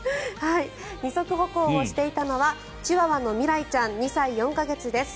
二足歩行をしていたのはチワワの未来ちゃん２歳４か月です。